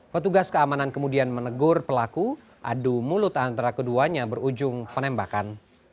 petugas keamanan kemudian menegur pelaku adu mulut antara keduanya berujung penembakan